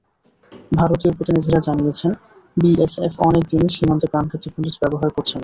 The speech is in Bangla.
ভারতীয় প্রতিনিধিরা জানিয়েছেন, বিএসএফ অনেক দিনই সীমান্তে প্রাণঘাতী বুলেট ব্যবহার করছে না।